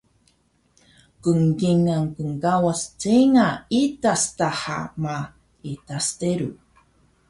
Knkingal knkawas cenga idas daha ma idas teru